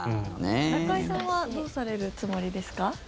中居さんはどうされるつもりですか？